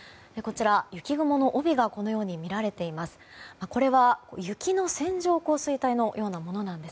雪雲の帯がこのようにみられています。